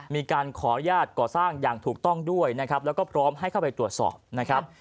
มีการขออนุญาตก่อสร้างอย่างถูกต้องด้วยนะครับแล้วก็พร้อมให้เข้าไปตรวจสอบนะครับ